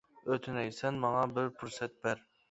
ئۆتۈنەي سەن ماڭا بىر پۇرسەت بەر.